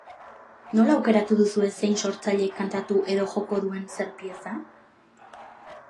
Nola aukeratu duzue zein sortzailek kantatu edo joko duen zer pieza?